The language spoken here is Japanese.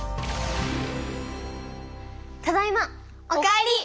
ただいま！お帰り！